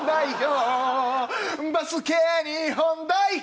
バスケ日本代表